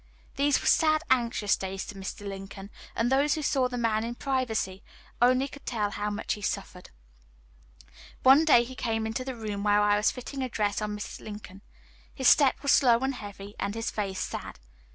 These were sad, anxious days to Mr. Lincoln, and those who saw the man in privacy only could tell how much he suffered. One day he came into the room where I was fitting a dress on Mrs. Lincoln. His step was slow and heavy, and his face sad.